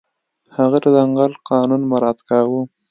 هغه د ځنګل قانون مراعت کاوه.